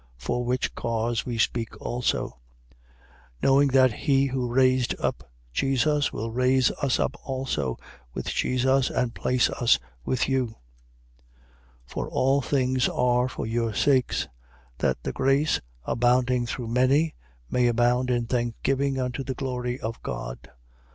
For which cause we speak also: 4:14. Knowing that he who raised up Jesus will raise us up also with Jesus and place us with you. 4:15. For all things are for your sakes: that the grace, abounding through many, may abound in thanksgiving unto the glory of God.